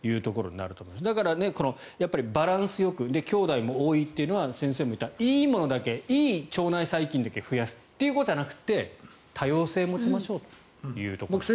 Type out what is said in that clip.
だから、バランスよくきょうだいも多いというのは先生も言った、いいものだけいい腸内細菌だけ増やすということじゃなくて多様性を持ちましょうということです。